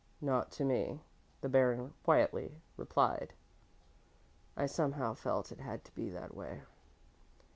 "Not to me," the Baron quietly replied; "I somehow felt it had to be that way.